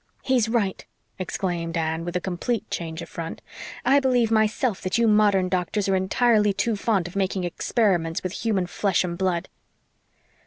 "He's right," exclaimed Anne, with a complete change of front. 'I believe myself that you modern doctors are entirely too fond of making experiments with human flesh and blood."